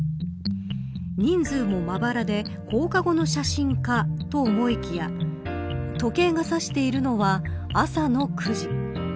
人数もまばらで放課後の写真かと思いきや時計が指しているのは朝の９時。